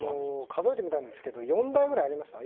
数えてみたんですけど４台くらいありました。